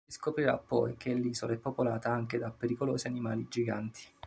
Si scoprirà poi che l'isola è popolata anche da pericolosi animali giganti.